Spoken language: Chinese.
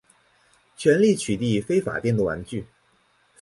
全力取缔非法电动玩具